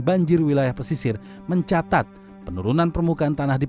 banjir wilayah pesisir mencatat penurunan permukaan tanah di